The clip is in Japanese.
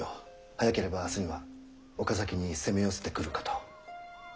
早ければ明日には岡崎に攻め寄せてくるかと。